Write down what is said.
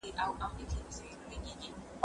كه لاسونه مي پرې كېږي سترگي نه وي